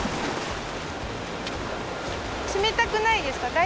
冷たくないですか？